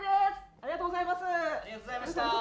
ありがとうございます。